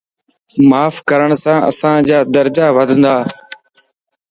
معاف ڪرڻ سين انسانَ جا درجا وڌنتا